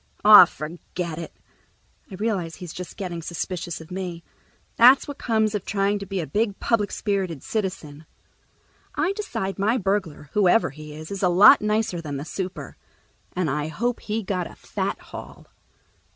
"Aw, forget it." I realize he's just getting suspicious of me. That's what comes of trying to be a big public spirited citizen. I decide my burglar, whoever he is, is a lot nicer than the super, and I hope he got a fat haul.